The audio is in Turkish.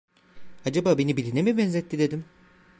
Acaba beni birine mi benzetti, dedim.